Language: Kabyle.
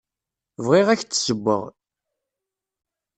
Bɣiɣ ad ak-d-ssewweɣ.